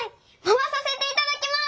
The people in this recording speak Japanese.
まわさせていただきます！